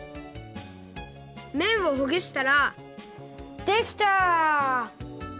めんをほぐしたらできた！